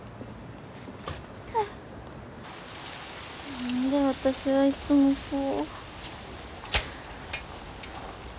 何で私はいつもこう。